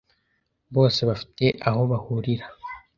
bose bafite aho bahurira